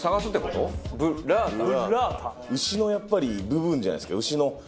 牛のやっぱり部分じゃないですか？